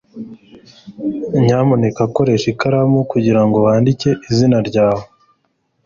Nyamuneka koresha ikaramu kugirango wandike izina ryawe.